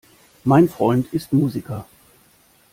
Mein Freund ist Musiker.